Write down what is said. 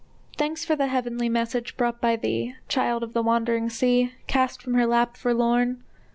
Thanks for the heavenly message brought by thee, Child of the wandering sea, Cast from her lap, forlorn!